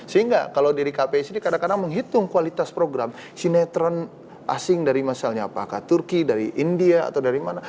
sehingga kalau dari kpi sendiri kadang kadang menghitung kualitas program sinetron asing dari misalnya apakah turki dari india atau dari mana